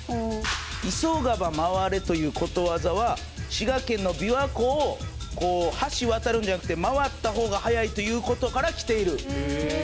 「いそがば回れ」ということわざは滋賀県の琵琶湖を橋渡るんじゃなくて回った方が早いということからきている。